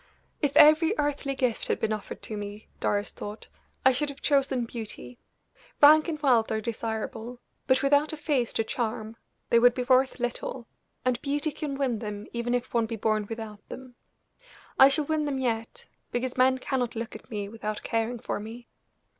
"If every earthly gift had been offered to me," Doris thought, "I should have chosen beauty. Rank and wealth are desirable; but without a face to charm they would be worth little, and beauty can win them even if one be born without them. I shall win them yet, because men cannot look at me without caring for me."